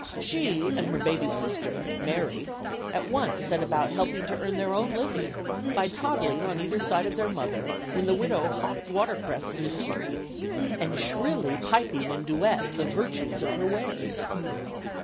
She and her baby sister, Mary, at once set about helping to earn their own living, by toddling on either side of their mother when the widow hawked watercress through the streets, and shrilly piping in duet the virtues of her wares.